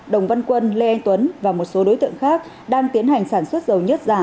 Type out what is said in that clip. đồng văn quân lê anh tuấn và một số đối tượng khác đang tiến hành sản xuất dầu nhất giả